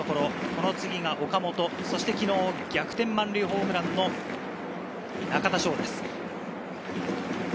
その次が岡本、そして昨日、逆転満塁ホームランの中田翔です。